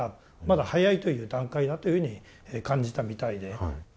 まだ早いという段階だというふうに感じたみたいで。